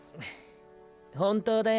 本当だよ